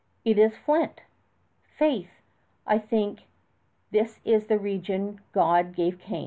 "It is flint! Faith, I think this is the region God gave Cain!"